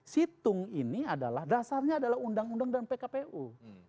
situng ini adalah dasarnya adalah undang undang dan pkpu